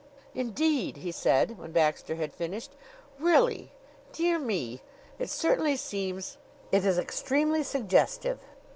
"Indeed!" he said, when Baxter had finished. "Really? Dear me! It certainly seems It is extremely suggestive.